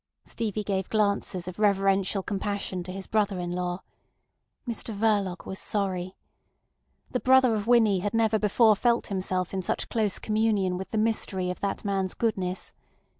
Stevie gave glances of reverential compassion to his brother in law. Mr Verloc was sorry. The brother of Winnie had never before felt himself in such close communion with the mystery of that man's goodness.